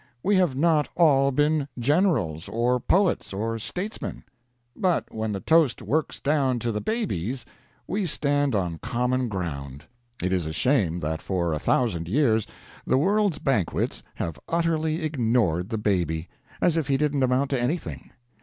We have not all been generals, or poets, or statesmen; but when the toast works down to the babies, we stand on common ground. It is a shame that for a thou sand years the world's banquets have utterly ignored the baby 1 , as if he didn't amount to any thing.